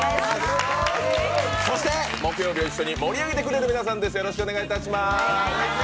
そして木曜日を一緒に盛り上げてくれる皆さんです。